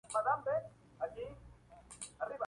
Los dibujos eran claramente deudores de la tira Pogo.